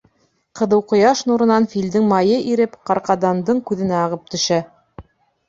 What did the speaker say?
Ҡыҙыу ҡояш нурынан филдең майы иреп Ҡарҡаданндың күҙенә ағып төшә.